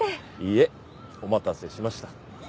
いえお待たせしました。